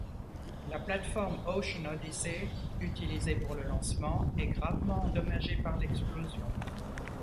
La plate-forme Ocean Odyssey utilisée pour le lancement est gravement endommagée par l'explosion.